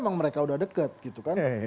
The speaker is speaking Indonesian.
memang mereka udah deket gitu kan